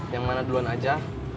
yang mana duluan aja